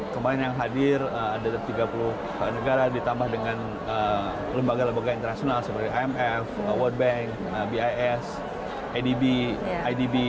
kemarin yang hadir ada tiga puluh negara ditambah dengan lembaga lembaga internasional seperti imf world bank bis adb idb